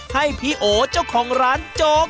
ให้พี่โอเจ้าของร้านโจ๊ก